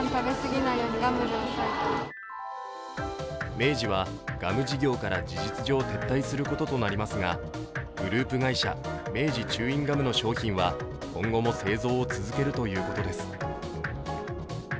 明治はガム事業から事実上撤退することとなりますがグループ会社明治チューインガムの商品は今後も製造を続けるということです。